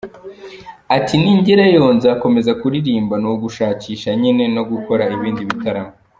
Ati “Ningerayo nzakomeza kuririmba, ni ugushakisha nyine no gukora ibindi bitaramo.